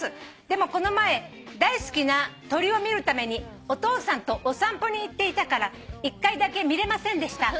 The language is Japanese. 「でもこの前大好きな鳥を見るためにお父さんとお散歩に行っていたから１回だけ見れませんでした。